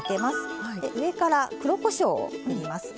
で上から黒こしょうをふります。